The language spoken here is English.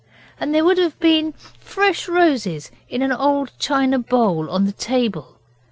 And there would have been fresh roses in an old china bowl on the table.